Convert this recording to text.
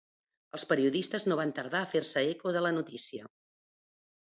Els periodistes no van tardar a fer-se eco de la notícia.